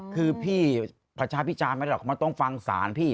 คือพี่ประชาพิจารณ์ไม่ได้หรอกมันต้องฟังศาลพี่